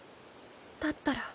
だったら。